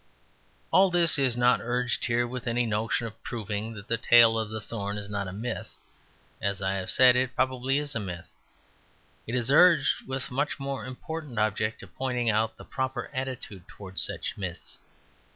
All this is not urged here with any notion of proving that the tale of the thorn is not a myth; as I have said, it probably is a myth. It is urged with the much more important object of pointing out the proper attitude towards such myths..